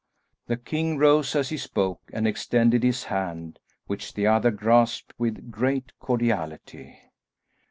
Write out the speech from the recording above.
The king rose as he spoke and extended his hand, which the other grasped with great cordiality.